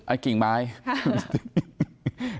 ไอ้กิ่งไมคมาเรียน